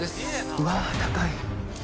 うわぁ、高い。